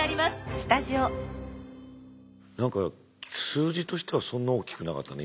何か数字としてはそんな大きくなかったね